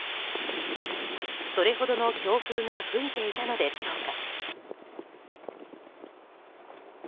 それほどの強風が吹いていたのでしょうか。